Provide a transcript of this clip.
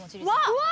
うわ！